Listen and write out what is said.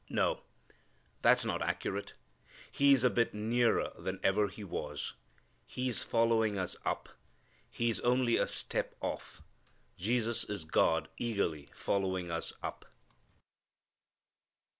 No! That's not accurate. He is a bit nearer than ever He was. He is following us up. He is only a step off. Jesus is God eagerly following us up.